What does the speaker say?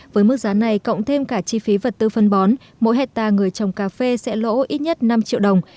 với mức giá này cộng thêm cả chi phí vật tư phân bón mỗi hectare người trồng cà phê sẽ lỗ ít nhất năm triệu đồng